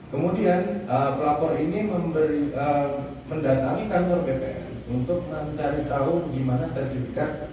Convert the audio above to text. kemudian pelapor ini mendatangi kantor bpn untuk mencari tahu di mana sertifikat